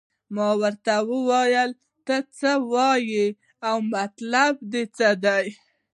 ما ورته وویل ته څه وایې او مطلب دې څه دی.